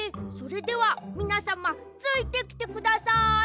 それではみなさまついてきてください！